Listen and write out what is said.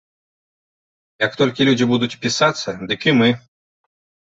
Як толькі людзі будуць пісацца, дык і мы.